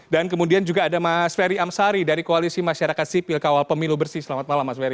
dan kemudian juga ada mas ferry amsari dari koalisi masyarakat sipil kawal pemilu bersih selamat malam mas ferry